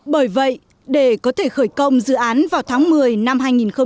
bởi vậy để có thể khởi công dự án vào tháng một mươi năm hai nghìn hai mươi